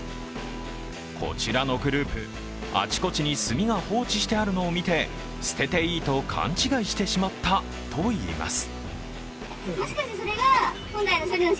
こちらのグループ、あちこちに炭が放置してあるのを見て捨てていいと勘違いしてしまったといいます。